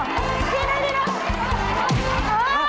ดีนะ